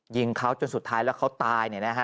ยิงเขาจนสุดท้ายแล้วเขาตาย